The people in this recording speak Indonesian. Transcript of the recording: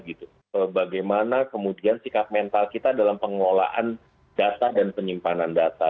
bagaimana kemudian sikap mental kita dalam pengelolaan data dan penyimpanan data